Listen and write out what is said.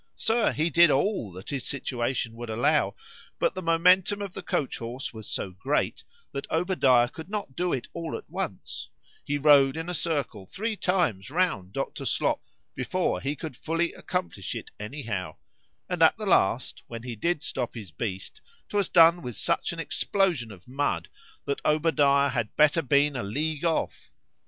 —Sir, he did all that his situation would allow;—but the MOMENTUM of the coach horse was so great, that Obadiah could not do it all at once; he rode in a circle three times round Dr. Slop, before he could fully accomplish it any how;—and at the last, when he did stop his beast, 'twas done with such an explosion of mud, that Obadiah had better have been a league off.